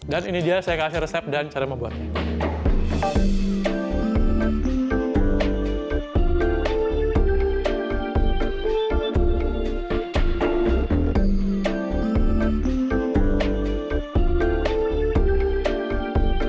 dan ini dia sayangnya ini rasanya enak banget ya